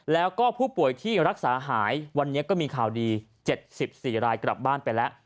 แล้วก็ผู้ป่วยที่รักษาหายวันนี้ก็มีข่าวดี๗๔รายกลับบ้านไปแล้ว